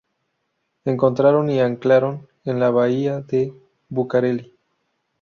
Encontraron y anclaron en la bahía de Bucareli.